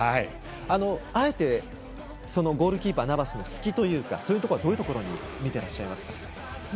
あえて、ゴールキーパーナバスの隙というかどういうところに見ていらっしゃいますか。